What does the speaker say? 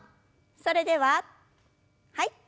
それでははい。